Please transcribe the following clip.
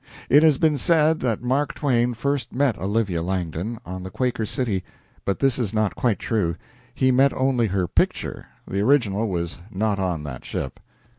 It has been said that Mark Twain first met Olivia Langdon on the "Quaker City," but this is not quite true; he met only her picture the original was not on that ship.